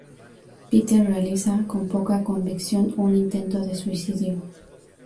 Peter realiza, con poca convicción, un intento de suicidio.